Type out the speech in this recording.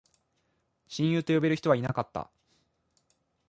親友と呼べる人はいなかった